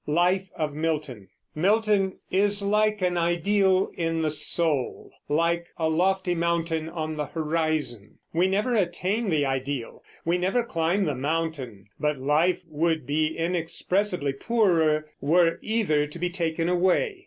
LIFE OF MILTON. Milton is like an ideal in the soul, like a lofty mountain on the horizon. We never attain the ideal; we never climb the mountain; but life would be inexpressibly poorer were either to be taken away.